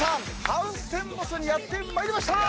ハウステンボスにやってまいりました！